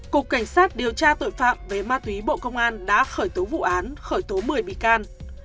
cục cảnh sát điều tra tội phạm về ma túy bộ công an đã khởi tố vụ án khởi tố một mươi bị can